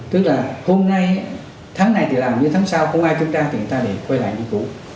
tức là hôm nay tháng này thì làm nhưng tháng sau không ai chứng tra thì người ta để quay lại như cũ